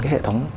cái hệ thống